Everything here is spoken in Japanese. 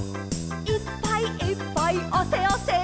「いっぱいいっぱいあせあせ」